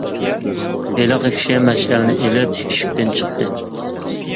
ھېلىقى كىشى مەشئەلنى ئېلىپ ئىشىكتىن چىقتى.